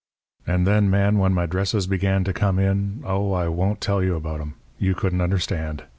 "And then, Man, when my dresses began to come in oh, I won't tell you about 'em! you couldn't understand.